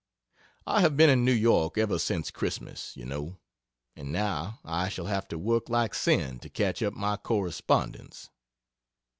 I have been in New York ever since Christmas, you know, and now I shall have to work like sin to catch up my correspondence.